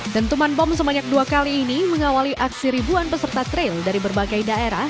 tentuman bom sebanyak dua kali ini mengawali aksi ribuan peserta trail dari berbagai daerah